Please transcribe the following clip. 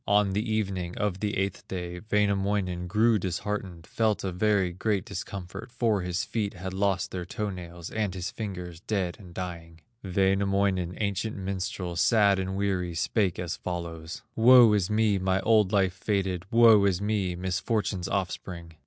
On the evening of the eighth day, Wainamoinen grew disheartened, Felt a very great discomfort, For his feet had lost their toe nails, And his fingers dead and dying. Wainamoinen, ancient minstrel, Sad and weary, spake as follows: "Woe is me, my old life fated! Woe is me, misfortune's offspring!